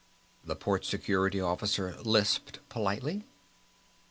the Port Security Officer lisped politely.